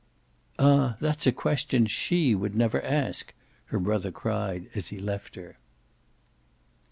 "Ah that's a question SHE would never ask!" her brother cried as he left her.